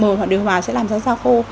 mồi hoặc điều hòa sẽ làm da dao khô